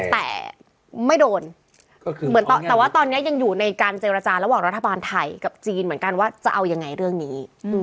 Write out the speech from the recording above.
แต่ไม่โดนแต่ว่าตอนนี้ยังอยู่ในการเจรจาระหว่างรัฐบาลไทยกับจีนเหมือนกันว่าจะเอายังไงเรื่องนี้